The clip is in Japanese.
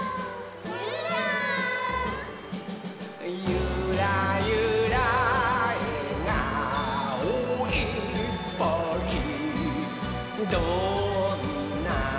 「ゆらゆらえがおいっぱいどんなときも」